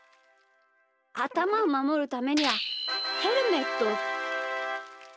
あたまをまもるためにはヘルメット。